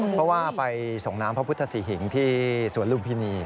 เพราะว่าไปส่งน้ำพระพุทธศรีหิงที่สวนลุมพินี